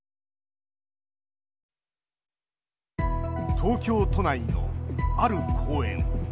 東京都内の、ある公園。